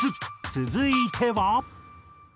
続いては。